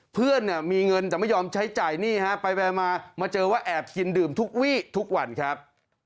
เพื่อนเนี่ยมีเงินแต่ไม่ยอมใช้จ่ายหนี้ฮะไปมามาเจอว่าแอบกินดื่มทุกวี่ทุกวันครับ